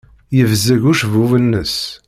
Yebzeg ucebbub-nnes.